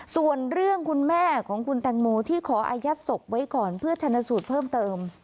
ส่วนเรื่องคุณแม่ของคุณแตงโมที่ขออายัดศพไว้ก่อนเพื่อชนะสูตรเพิ่มเติม